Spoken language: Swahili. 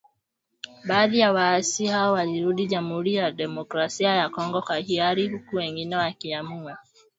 Baadhi ya waasi hao walirudi Jamuhuri ya Demokrasia ya Kongo kwa hiari huku wengine wakiamua